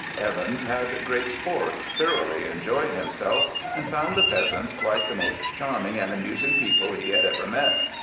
Evans had great sport, thoroughly enjoyed himself, and found the peasants quite the most charming and amusing people he had ever met.